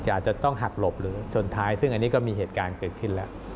อาจจะต้องหักหลบหรือชนท้ายซึ่งอันนี้ก็มีเหตุการณ์เกิดขึ้นแล้ว